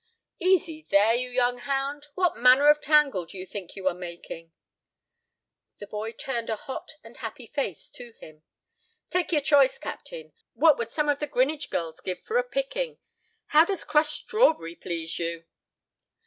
"Easy, there, you young hound. What manner of tangle do you think you are making?" The boy turned a hot and happy face to him. "Take your choice, captain. What would some of the Greenwich girls give for a picking! How does crushed strawberry please you?"